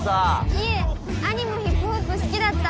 いえ兄もヒップホップ好きだったんで。